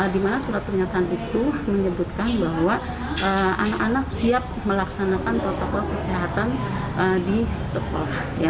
di mana surat pernyataan itu menyebutkan bahwa anak anak siap melaksanakan protokol kesehatan di sekolah